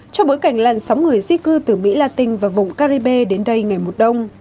trong bối cảnh làn sóng người di cư từ mỹ latin và vùng caribe đến đây ngày mùa đông